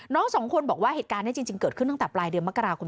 สองคนบอกว่าเหตุการณ์นี้จริงเกิดขึ้นตั้งแต่ปลายเดือนมกราคม